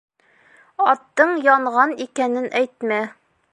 — Аттың янған икәнен әйтмә.